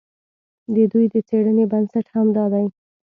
د دوی د څېړنې بنسټ همدا دی.